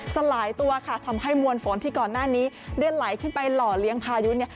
สลายตัวทำให้มวลฝนที่ก่อนหน้านี้ได้ไหลขึ้นไปหล่อเลี้ยงพายุ